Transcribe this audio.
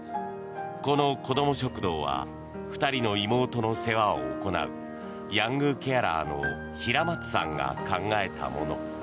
この子ども食堂は２人の妹の世話を行うヤングケアラーの平松さんが考えたもの。